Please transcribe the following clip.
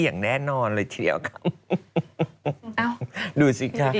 อย่างแน่นอนเลยทีเดียวนะครับ